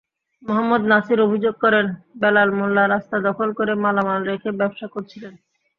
মোহাম্মদ নাছির অভিযোগ করেন, বেলাল মোল্লা রাস্তা দখল করে মালামাল রেখে ব্যবসা করছিলেন।